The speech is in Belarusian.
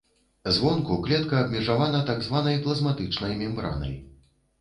Звонку клетка абмежавана так званай плазматычнай мембранай.